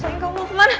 sayang kamu mau kemana